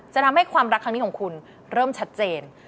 จะทำให้ความรักครั้งนี้ของคุณเริ่มชัดเจน